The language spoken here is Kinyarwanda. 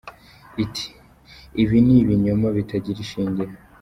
Iti “Ibi ni ibinyoma bitagira ishingiro.